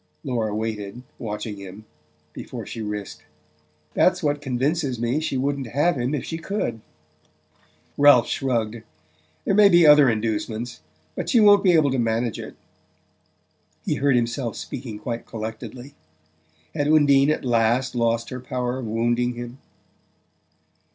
Laura waited, watching him, before she risked: "That's what convinces me she wouldn't have him if she could." Ralph shrugged. "There may be other inducements. But she won't be able to manage it." He heard himself speaking quite collectedly. Had Undine at last lost her power of wounding him?